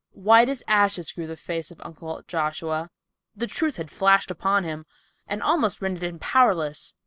White as ashes grew the face of Uncle Joshua. The truth had flashed upon him, and almost rendered him powerless.